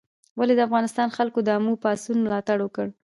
ولې د افغانستان خلکو د اموي پاڅون ملاتړ وکړ؟